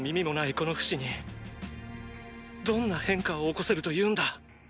このフシにどんな変化を起こせるというんだ。